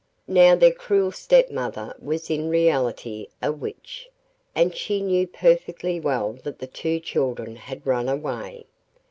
Now their cruel stepmother was in reality a witch, and she knew perfectly well that the two children had run away.